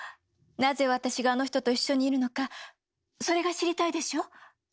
なぜ私があの人と一緒にいるのかそれが知りたいでしょ？